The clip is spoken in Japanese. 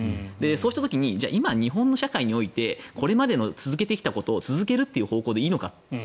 そうした時に日本の社会において続けてきたことを続ける方向でいいのか。